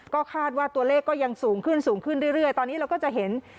ก็คาดว่าตัวเลขก็ยังสูงขึ้นสูงขึ้นเรื่อยตอนนี้เราก็จะเห็น